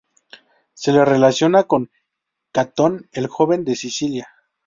Se le relaciona con Catón el Joven en Sicilia.